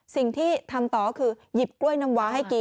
สิ่งที่ทำต่อก็คือหยิบกล้วยน้ำว้าให้กิน